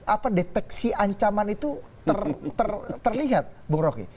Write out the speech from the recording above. apa deteksi ancaman itu terlihat bung roky